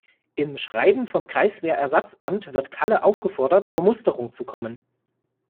Im Schreiben vom Kreiswehrersatzamt wird Kalle aufgefordert, zur Musterung zu kommen.